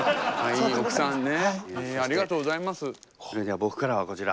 それじゃあ僕からはこちら！